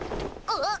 あっ！